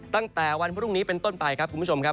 ตั้งแต่วันพรุ่งนี้เป็นต้นไปครับคุณผู้ชมครับ